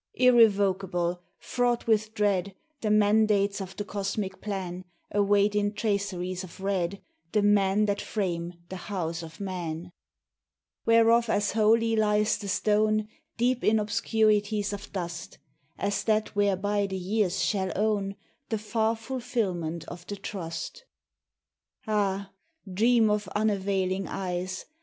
Irrevocable, fraught with dread, The mandates of the cosmic plan Await in traceries of red The men that frame the House of Man, Whereof as holy lies the stone Deep in obscurities of dust, As that whereby the years shall own The far fulfillment of the Trust. Ah, dream of unavailing eyes!